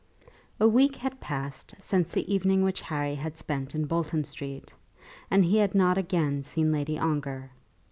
A week had passed since the evening which Harry had spent in Bolton Street, and he had not again seen Lady Ongar.